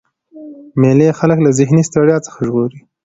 مېلې خلک له ذهني ستړیا څخه ژغوري.